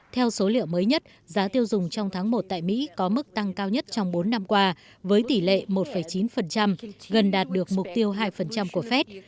theo số liệu mới nhất giá tiêu dùng trong tháng một tại mỹ có mức tăng cao nhất trong bốn năm qua với tỷ lệ một chín gần đạt được mục tiêu hai của fed